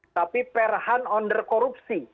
tapi perhan under korupsi